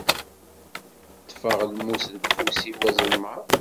Ṭṭfeɣ lmus deg ufus-iw azelmaḍ.